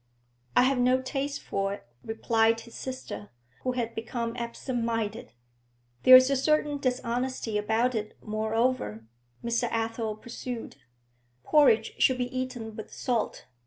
'I have no taste for it,' replied his sister, who had become absent minded. 'There's a certain dishonesty about it, moreover,' Mr. Athel pursued. 'Porridge should be eaten with salt.